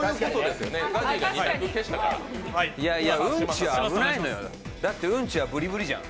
いやいやうんちは危ないのよ、だってうんちはぶりぶりじゃん。